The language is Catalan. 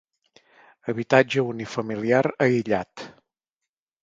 Habitatge unifamiliar aïllat.